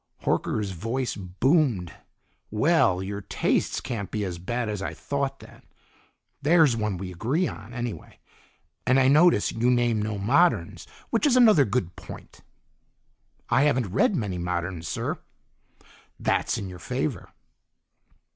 Horker's voice boomed. "Well! Your taste can't be as bad as I thought, then. There's one we agree on, anyway. And I notice you name no moderns, which is another good point." "I haven't read many moderns, sir." "That's in your favor."